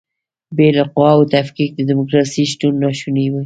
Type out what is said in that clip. بې له قواوو تفکیک د دیموکراسۍ شتون ناشونی دی.